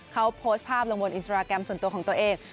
เขาโพสต์ภาพลงบนส่วนตัวของตัวเอง